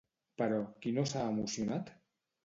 Però qui no s'ha emocionat?